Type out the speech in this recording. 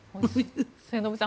末延さん